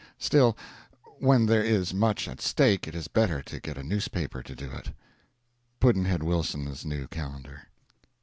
Still, when there is much at stake it is better to get a newspaper to do it. Pudd'nhead Wilson's New Calendar.